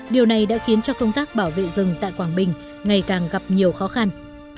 điều này đã khiến cho công tác bảo vệ rừng tại quảng bình ngày càng gặp nhiều khó khăn